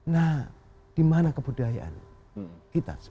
nah di mana kebudayaan kita